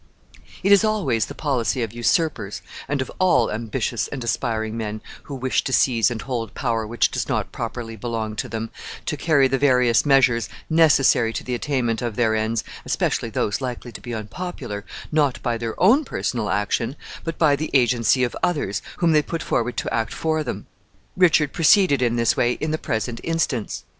It is always the policy of usurpers, and of all ambitious and aspiring men who wish to seize and hold power which does not properly belong to them, to carry the various measures necessary to the attainment of their ends, especially those likely to be unpopular, not by their own personal action, but by the agency of others, whom they put forward to act for them. Richard proceeded in this way in the present instance.